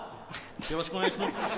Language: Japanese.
よろしくお願いします